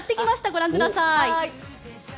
ご覧ください。